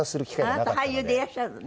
あなた俳優でいらっしゃるのね。